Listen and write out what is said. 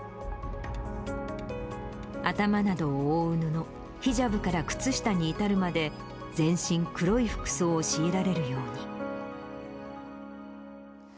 頭などを覆う布、ヒジャブから靴下に至るまで、全身黒い服装を強いられるように。